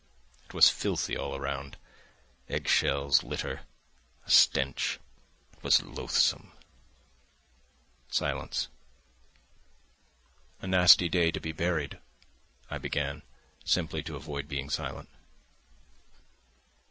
It was filthy all round ... Egg shells, litter ... a stench. It was loathsome." Silence. "A nasty day to be buried," I began, simply to avoid being silent.